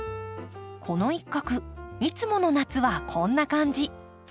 この一画いつもの夏はこんな感じ。